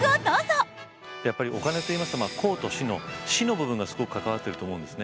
やっぱりお金といいますと公と私の私の部分がすごく関わってると思うんですね。